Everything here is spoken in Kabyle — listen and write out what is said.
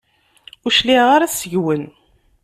Ur cliɛeɣ ara seg-wen.